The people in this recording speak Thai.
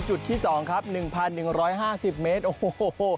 จุดที่๒ครับ๑๑๕๐เมตรโอ้โห